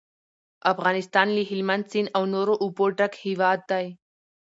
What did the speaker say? افغانستان له هلمند سیند او نورو اوبو ډک هیواد دی.